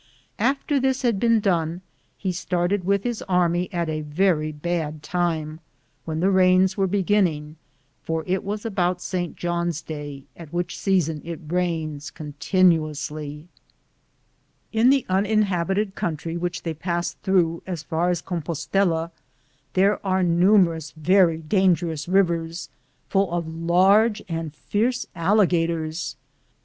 After this had been done, he started with his army at a very bad time, when the rains were beginning, for it was about Saint John's day, at which season it rains continuously. In the uninhabited country which they passed through as far as Compostela there 183 am Google THE JOURNEY OF CORONADO are numerous very dangerous rivers, full of large and fierce alligators.